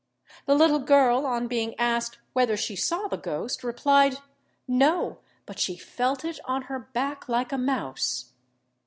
The little girl, on being asked whether she saw the ghost, replied, "No; but she felt it on her back like a mouse."